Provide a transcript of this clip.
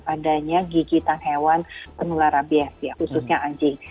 adanya gigitan hewan penular rabies khususnya anjing